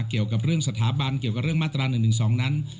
เกี่ยวกับเรื่องสถาบันเกี่ยวกับเรื่องมาตรา๑๑๒นั้น